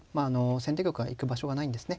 先手玉が行く場所がないんですね。